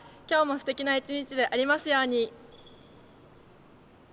今日もすてきな一日でありますように。